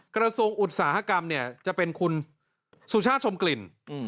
กระทรวงอุตสาหกรรมเนี่ยจะเป็นคุณสุชาติชมกลิ่น